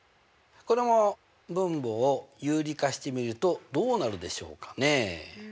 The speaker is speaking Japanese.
これも分母を有理化してみるとどうなるでしょうかねえ？